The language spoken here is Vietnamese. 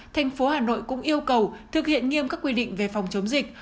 thành phố hà nội cũng yêu cầu thực hiện nghiêm các quy định về phòng chống dịch